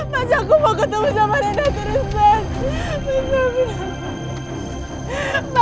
mas aku mau ketemu sama rena terus mas